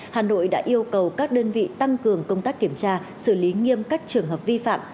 hà nội đã yêu cầu các đơn vị tăng cường công tác kiểm tra xử lý nghiêm các trường hợp vi phạm